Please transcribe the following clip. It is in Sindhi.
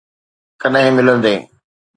ڪڏھن ملندين؟